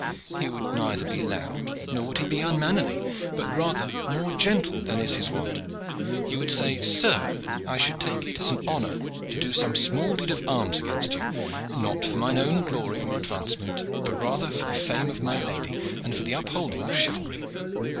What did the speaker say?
"He would neither be loud nor would he be unmannerly, but rather more gentle than is his wont. He would say, 'Sir, I should take it as an honor to do some small deed of arms against you, not for mine own glory or advancement, but rather for the fame of my lady and for the upholding of chivalry.'